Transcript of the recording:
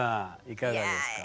いかがですか？